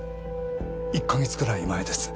１カ月くらい前です。